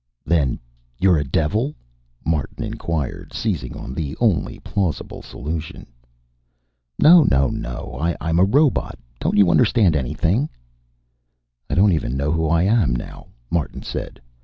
"Then you're a devil?" Martin inquired, seizing on the only plausible solution. "No, no, no. I'm a robot. Don't you understand anything?" "I don't even know who I am, now," Martin said.